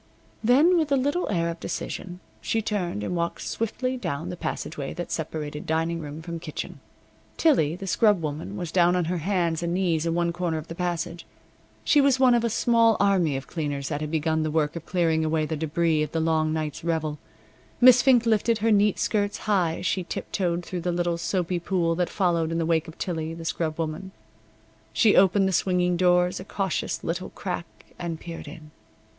Then, with a little air of decision, she turned and walked swiftly down the passageway that separated dining room from kitchen. Tillie, the scrub woman, was down on her hands and knees in one corner of the passage. She was one of a small army of cleaners that had begun the work of clearing away the debris of the long night's revel. Miss Fink lifted her neat skirts high as she tip toed through the little soapy pool that followed in the wake of Tillie, the scrub woman. She opened the swinging doors a cautious little crack and peered in.